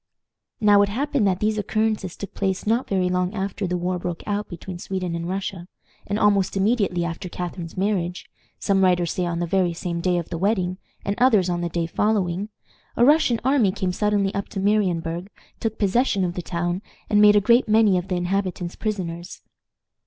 Now it happened that these occurrences took place not very long after the war broke out between Sweden and Russia, and almost immediately after Catharine's marriage some writers say on the very same day of the wedding, and others on the day following a Russian army came suddenly up to Marienburg, took possession of the town, and made a great many of the inhabitants prisoners.